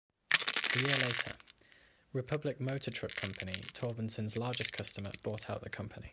A year later, Republic Motor Truck Company, Torbensen's largest customer bought out the company.